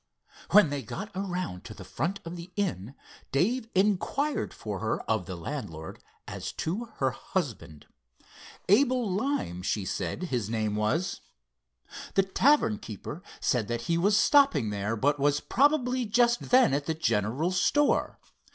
When they got around to the front of the inn, Dave inquired for her of the landlord as to her husband. Abel Lyme, she said, his name was. The tavern keeper said he was stopping there, but was probably just then at the general store.